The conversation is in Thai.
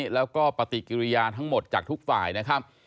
แล้วก็ปฏิกิริยาทั้งหมดจากทุกฝ่ายนะครับ